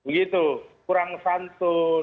begitu kurang santun